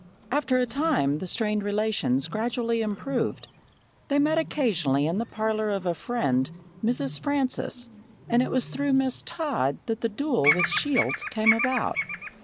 After a time the strained relations gradually improved. They met occasionally in the parlor of a friend, Mrs. Francis, and it was through Miss Todd that the duel with Shields came about.